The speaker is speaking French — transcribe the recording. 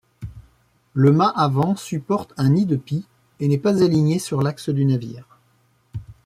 Le mat avant supporte un nid-de-pie et n'est pas aligné sur l'axe du navire.